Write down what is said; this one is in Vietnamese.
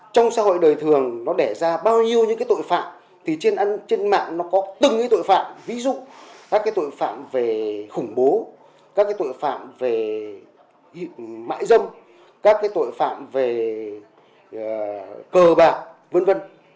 trong xã hội đời thường nó đẻ ra bao nhiêu những tội phạm thì trên mạng nó có từng tội phạm ví dụ các tội phạm về khủng bố các tội phạm về mại dâm các tội phạm về cờ bạc v v